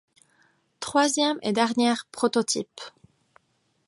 Troisième et dernier prototype.